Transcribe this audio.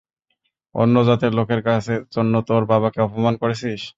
অন্য জাতের লোকের জন্য তোর বাবাকে অপমান করেছিস?